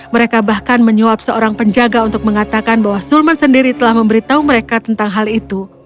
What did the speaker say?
mereka bahkan menyuap seorang penjaga untuk mengatakan bahwa sulman sendiri telah memberitahu mereka tentang hal itu